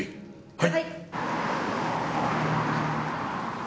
はい。